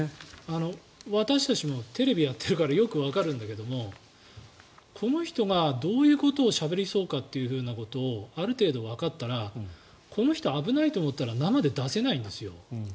私たちもテレビをやっているからよくわかるんだけどこの人がどういうことをしゃべりそうかということをある程度わかったらこの人、危ないと思ったら生で出せないんですよ。